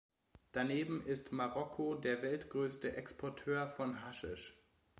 Daneben ist Marokko der weltgrößte Exporteur von Haschisch.